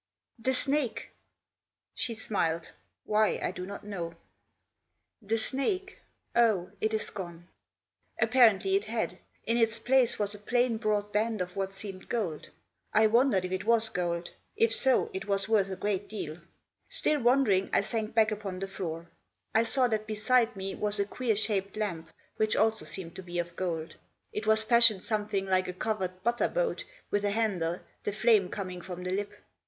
"The snake." She smiled ; why, I do not know. " The snake ? Oh, it is gone." Apparently it had. In its place was a plain broad band of what seemed gold. I wondered if it was gold. If so, it was worth a great deal. Still wondering, I sank back upon the floor. I saw that beside me was a queer shaped lamp, which also seemed to be of gold. It was fashioned something like a covered butter boat, with a handle, the flame coming from the lip.